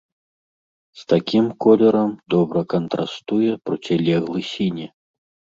З такім колерам добра кантрастуе процілеглы сіні.